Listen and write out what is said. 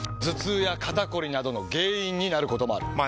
頭痛や肩こりなどの原因になることもある。